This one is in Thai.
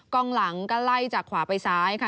กล้องหลังก็ไล่จากขวาไปซ้ายค่ะ